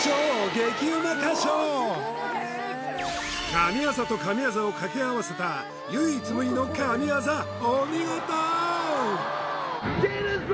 神業と神業を掛け合わせた唯一無二の神業お見事！